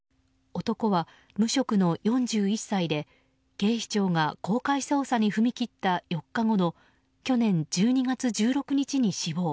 男は無職の４１歳で警視庁が公開捜査に踏み切った４日後の去年１２月１６日に死亡。